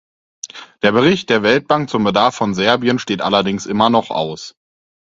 Der Bericht der Weltbank zum Bedarf von Serbien steht allerdings immer noch aus.